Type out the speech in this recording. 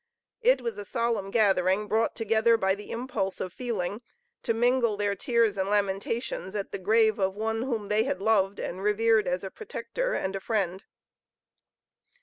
It was a solemn gathering, brought together by the impulse of feeling, to mingle their tears and lamentations at the grave of one whom they had loved and revered as a protector and a friend.